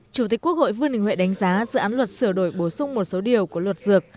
chủ tịch quốc hội vương đình huệ đánh giá dự án luật sửa đổi bổ sung một số điều của luật dược